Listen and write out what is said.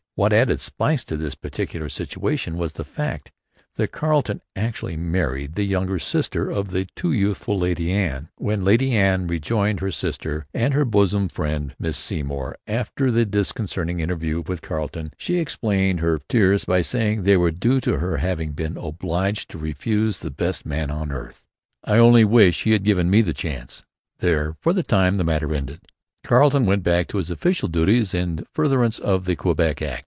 What added spice to this peculiar situation was the fact that Carleton actually married the younger sister of the too youthful Lady Anne. When Lady Anne rejoined her sister and their bosom friend, Miss Seymour, after the disconcerting interview with Carleton, she explained her tears by saying they were due to her having been 'obliged to refuse the best man on earth.' 'The more fool you!' answered the younger sister, Lady Maria, then just eighteen, 'I only wish he had given me the chance!' There, for the time, the matter ended. Carleton went back to his official duties in furtherance of the Quebec Act.